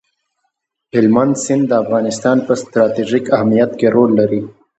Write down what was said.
هلمند سیند د افغانستان په ستراتیژیک اهمیت کې رول لري.